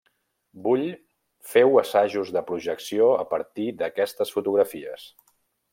Bull féu assajos de projecció a partir d'aquestes fotografies.